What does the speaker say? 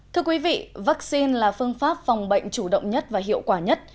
thưa quý vị vaccine là phương pháp phòng bệnh chủ động nhất và hiệu quả nhất